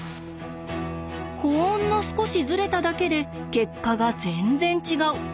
ほんの少しズレただけで結果が全然違う。